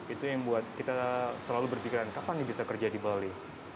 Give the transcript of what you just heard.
itu yang buat kita selalu berpikiran kapan nih bisa kerja di bali